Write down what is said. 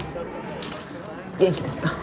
元気だった？